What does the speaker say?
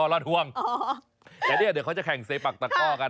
วันนี้เรามาบ่ายโมงเหรอคุณ